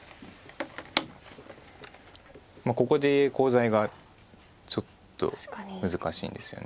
ここでコウ材がちょっと難しいんですよね。